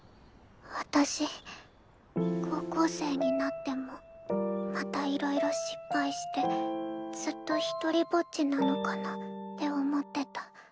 私高校生になってもまたいろいろ失敗してずっと独りぼっちなのかなって思ってた。